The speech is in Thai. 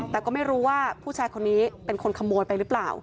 แต่ก็ไม่รู้ว่าผู้ชายคนนี้เป็นคนขโมยไปหรือเปล่า